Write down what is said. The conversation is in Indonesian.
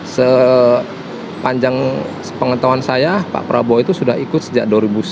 sepanjang pengetahuan saya pak prabowo itu sudah ikut sejak dua ribu sembilan belas